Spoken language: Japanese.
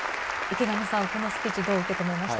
池上さん、このスピーチ、どう受け止めました？